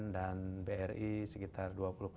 dan bri sekitar